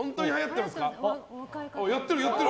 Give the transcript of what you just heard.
あ、やってるやってる。